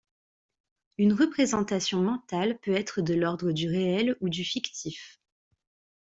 Une représentation mentale peut être de l'ordre du réel ou du fictif.